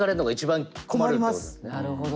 なるほど。